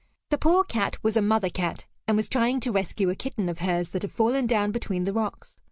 The poor cat was a mother cat, and was trying to rescue a kitten of hers that had fallen down between the rocks.